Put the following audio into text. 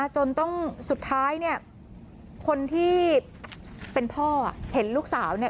จนต้องสุดท้ายคนที่เป็นพ่อเห็นลูกสาว